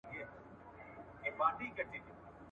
د احساس ليږد ډېر مهم دی.